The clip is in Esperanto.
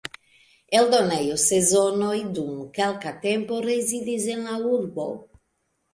Eldonejo Sezonoj dum kelka tempo rezidis en la urbo.